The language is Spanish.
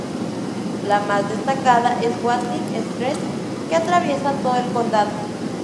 La más destacada es "Watling Street" que atraviesa todo el condado.